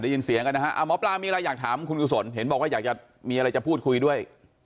ได้ยินเสียงกันนะฮะหมอปลามีอะไรอยากถามคุณกุศลเห็นบอกว่าอยากจะมีอะไรจะพูดคุยด้วย